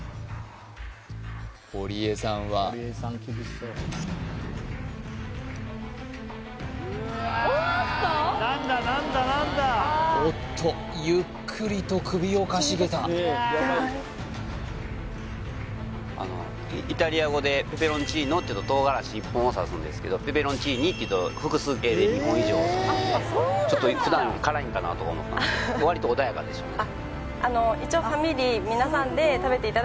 堀江さんはおっとゆっくりと首をかしげたあのイタリア語でペペロンチーノっていうと唐辛子１本を指すんですけどペペロンチーニっていうと複数形で２本以上を指すんでちょっと普段より辛いんかなとか思った割と穏やかでしたね